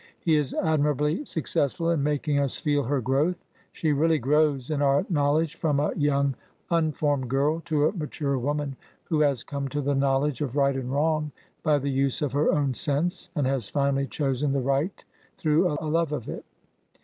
He is admirably successful in making us feel her growth: she really grows in our knowledge from a young, unformed girl, to a mature woman, who has come to the knowledge of right and wrong by the use of her own sense, and has finally chosen the right through a love of it.